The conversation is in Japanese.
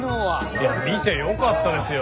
いや見てよかったですよ。